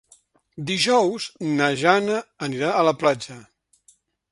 Dijous na Jana anirà a la platja.